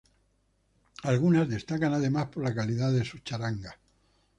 Algunas destacan además por la calidad de sus charangas.